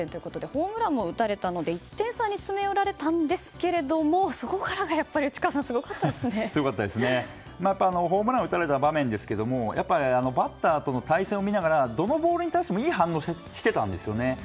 ホームランも打たれたので１点差に詰め寄られたんですがホームランを打たれた場面ですがバッターとの対戦を見ながらどのボールに対してもいい反応をしていたんですよね。